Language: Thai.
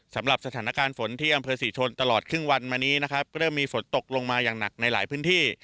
สำหรับสถานการณ์ฝนที่อำเภอศรีชนตลอดครึ่งวันมานี้นะครับเริ่มมีฝนตกลงมาอย่างหนักในหลายพื้นที่